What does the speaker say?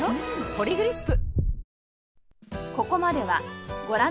「ポリグリップ」